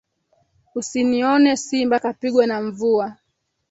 Usinione simba kapigwa na mvua